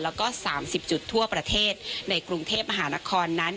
แล้วก็๓๐จุดทั่วประเทศในกรุงเทพมหานครนั้น